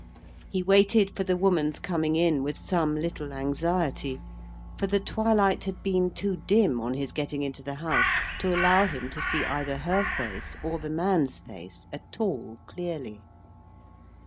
He waited for the woman's coming in with some little anxiety; for the twilight had been too dim on his getting into the house to allow him to see either her face or the man's face at all clearly.